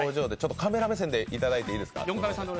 カメラ目線でいただいていいですか。